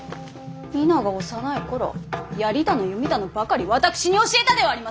稲が幼い頃槍だの弓だのばかり私に教えたではありませんか。